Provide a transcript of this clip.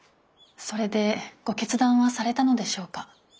それでご決断はされたのでしょうか？